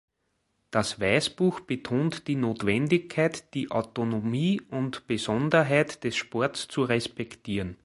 Das Weißbuch betont die Notwendigkeit, die Autonomie und Besonderheit des Sports zu respektieren.